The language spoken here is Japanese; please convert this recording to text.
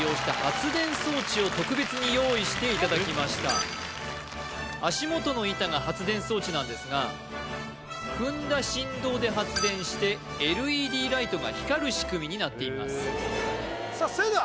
今回特別に足元の板が発電装置なんですが踏んだ振動で発電してＬＥＤライトが光る仕組みになっています